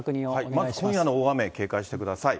まず今夜の大雨、警戒してください。